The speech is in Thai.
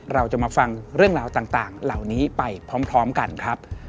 เราจะมาฟังเรื่องราวต่างเหล่านี้ไปพร้อมกันครับ